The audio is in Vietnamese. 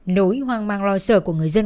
nỗi hoang mang lo sợ của người dân